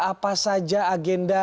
apa saja agenda